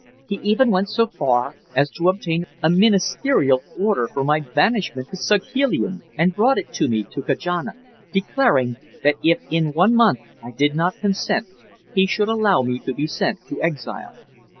He even went so far as to obtain a ministerial order for my banishment to Saghalien and brought it to me to Kajana, declaring that if in one month I did not consent he should allow me to be sent to exile.